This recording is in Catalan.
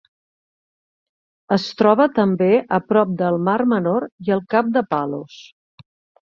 Es troba també a prop del Mar Menor i del cap de Palos.